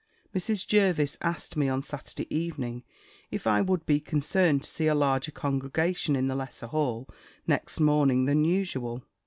Mrs. Jervis asked me on Saturday evening, if I would be concerned to see a larger congregation in the lesser hall next morning than usual?